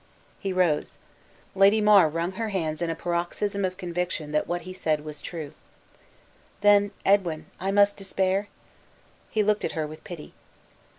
He rose. Lady Mar wrung her hands in a paroxysm of conviction that what he said was true. "Then, Edwin, I must despair?" He looked at her with pity.